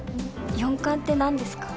４冠ってなんですか？